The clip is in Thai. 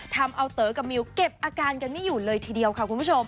ทำเอาเต๋อกับมิวเก็บอาการกันไม่อยู่เลยทีเดียวค่ะคุณผู้ชม